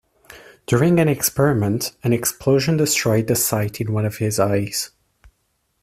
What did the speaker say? During an experiment, an explosion destroyed the sight in one of his eyes.